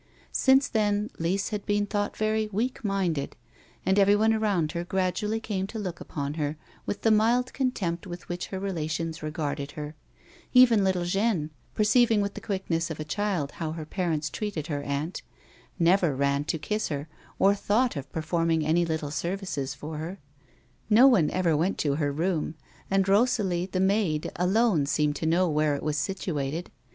Since then Lise had been 48 A WOMAN'S LIFE. thought very weak minded, and everyone around her gradually came to look upon her with the mild comtempt with which her relations regarded her ; even little Jeanne, perceiving with the quickness of a child how her parents treated her aunt, never ran to kiss her or thought of per forming any little services for her. No one ever went to her room, and Rosalie, the maid, alone seemed to know where it was situated.